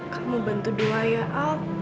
kamu bantu doa ya al